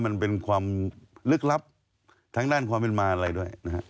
มันเป็นความลึกลับทางด้านความเป็นมาอะไรด้วยนะฮะ